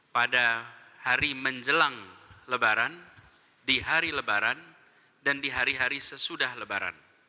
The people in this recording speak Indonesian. pada hari menjelang lebaran di hari lebaran dan di hari hari sesudah lebaran